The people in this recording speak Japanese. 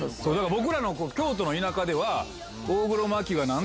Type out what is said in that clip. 僕ら京都の田舎では。